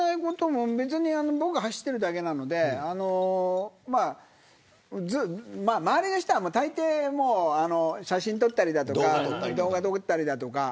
僕が走ってるだけなので周りの人は、たいてい写真を撮ったり動画撮ったりとか。